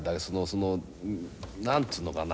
その何つうのかな